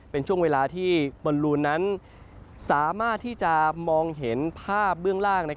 เป็นช่วงเวลาที่บอลลูนนั้นสามารถที่จะมองเห็นภาพเบื้องล่าง